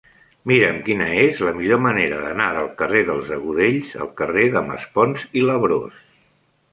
Mira'm quina és la millor manera d'anar del carrer dels Agudells al carrer de Maspons i Labrós.